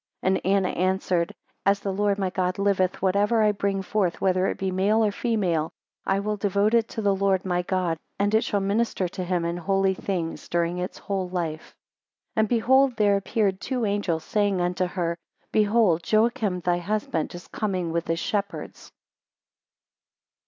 2 And Anna answered, As the Lord my God liveth, whatever I bring forth, whether it be male or female, I will devote it to the Lord my God and it shall minister to him in holy things, during its whole life. 3 And behold there appeared two angels, saying unto her, Behold Joachim thy husband is coming with his shepherds.